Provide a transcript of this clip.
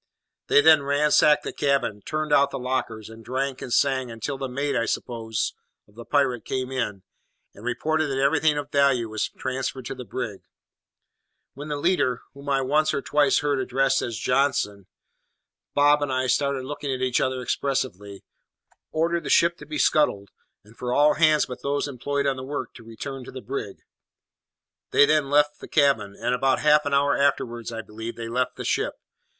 "They then ransacked the cabin, turned out the lockers, and drank and sang, until the mate, I suppose, of the pirate came in and reported that everything of value was transferred to the brig; when the leader whom I once or twice heard addressed as Johnson," Bob and I started and looked at each other expressively "ordered the ship to be scuttled, and for all hands but those employed on the work to return to the brig. They then left the cabin; and, about half an hour afterwards, I believe, they left the ship.